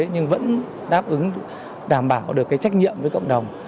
nhưng vẫn đáp ứng đảm bảo được cái trách nhiệm với cộng đồng